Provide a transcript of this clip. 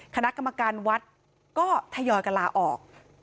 คณะกรรมการวัดก็ทยอยกันลาออก